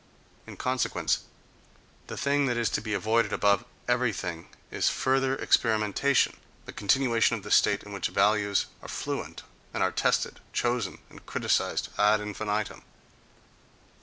In consequence, the thing that is to be avoided above everything is further experimentation—the continuation of the state in which values are fluent, and are tested, chosen and criticized ad infinitum.